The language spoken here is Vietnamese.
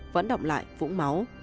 vẫn động lại vũng máu